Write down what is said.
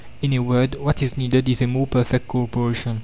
In a word, what is needed is a more perfect co operation.